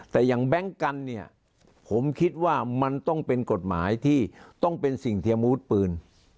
แต่อย่างแบงค์กันเนี่ยผมคิดว่ามันต้องเป็นกฎหมายที่ต้องเป็นสิ่งเทียมอาวุธปืน